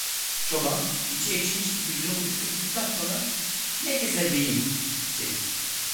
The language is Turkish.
Çoban, içi ekşimiş gibi yüzünü buruşturduktan sonra: "Ne gezer, beyim" dedi.